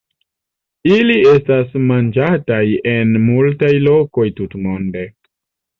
Ili estas manĝataj en multaj lokoj tutmonde.